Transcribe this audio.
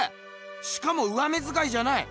しかも上目づかいじゃない！